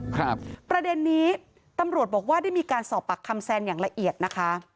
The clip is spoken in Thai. ประเด็นนี้ตำรวจบอกว่าได้มีการสอบปากคำแซนอย่างละเอียดนะคะ